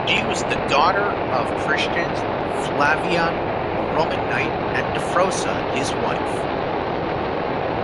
She was the daughter of Christians, Flavian, a Roman knight, and Dafrosa, his wife.